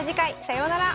さようなら。